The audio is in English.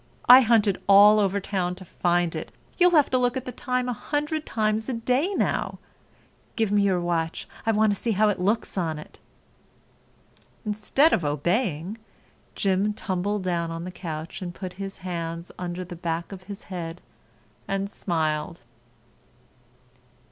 I hunted all over town to find it. You'll have to look at the time a hundred times a day now. Give me your watch. I want to see how it looks on it." Instead of obeying, Jim tumbled down on the couch and put his hands under the back of his head and smiled.